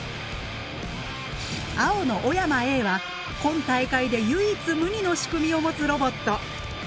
青の小山Ａは今大会で唯一無二の仕組みを持つロボット。